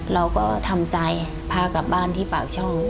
เราก็ทำใจพากลับบ้านที่ปากช่อง